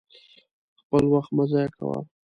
خپل وخت مه ضايع کوه!